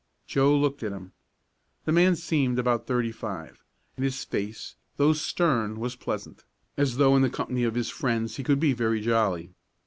Joe looked at him. The man seemed about thirty five, and his face, though stern, was pleasant, as though in the company of his friends he could be very jolly.